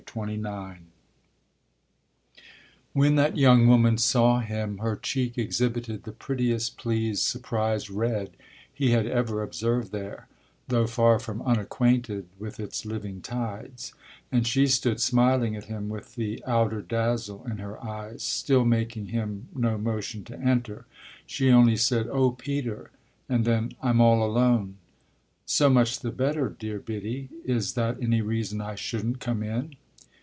XXIX When that young woman saw him her cheek exhibited the prettiest, pleased, surprised red he had ever observed there, though far from unacquainted with its living tides, and she stood smiling at him with the outer dazzle in her eyes, still making him no motion to enter. She only said, "Oh Peter!" and then, "I'm all alone." "So much the better, dear Biddy. Is that any reason I shouldn't come in?"